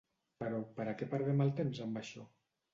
Però, per a què perdem el temps amb això?